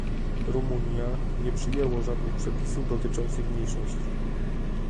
Rumunia, nie przyjęło żadnych przepisów dotyczących mniejszości